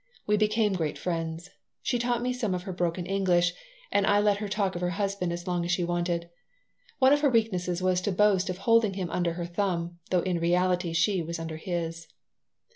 We became great friends. She taught me some of her broken English; and I let her talk of her husband as long as she wanted. One of her weaknesses was to boast of holding him under her thumb, though in reality she was under his.